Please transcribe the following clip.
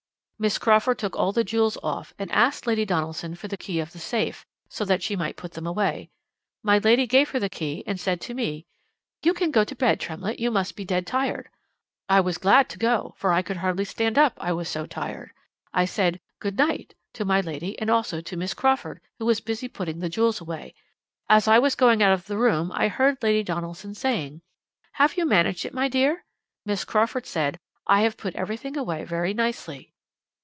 "'Miss Crawford took all the jewels off, and asked Lady Donaldson for the key of the safe, so that she might put them away. My lady gave her the key and said to me, "You can go to bed, Tremlett, you must be dead tired." I was glad to go, for I could hardly stand up I was so tired. I said "Good night!" to my lady and also to Miss Crawford, who was busy putting the jewels away. As I was going out of the room I heard Lady Donaldson saying: "Have you managed it, my dear?" Miss Crawford said: "I have put everything away very nicely."'